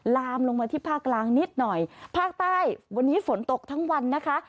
ลามลงมาที่ภาคกลางนิดหน่อยภาคใต้วันนี้ฝนตกทั้งวันนะคะ